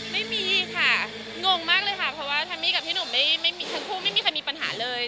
ไม่มีค่ะงงมากเลยค่ะเพราะว่าแฮมมี่กับพี่หนุ่มทั้งคู่ไม่มีใครมีปัญหาเลย